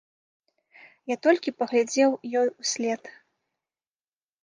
Я толькі паглядзеў ёй услед.